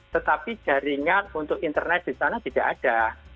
tetapi jaringan untuk internet di sana tidak ada